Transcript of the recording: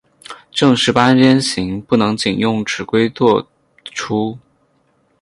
正十八边形不能仅用尺规作出。